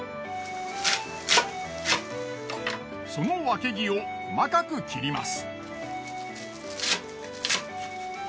そのわけぎを細かく切ります。